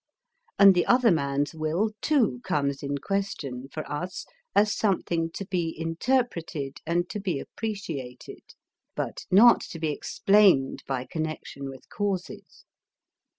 And the other man's will too comes in question for us as something to be interpreted and to be appreciated, but not to be explained by connection with causes.